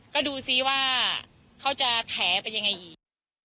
ก็ดูซิว่าเขาจะแถเป็นยังไงอีก